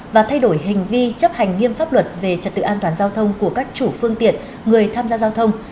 và thay đổi hành vi chấp hành nghiêm pháp luật về trật tự an toàn giao thông của các chủ phương tiện người tham gia giao thông